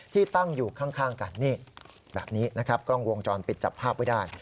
ที่ตั้งอยู่ข้างกันนี่แบบนี้นะครับกล้องวงจรปิดจับภาพไว้ได้